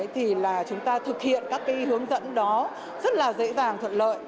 thì chúng ta thực hiện các hướng dẫn đó rất dễ dàng thuận lợi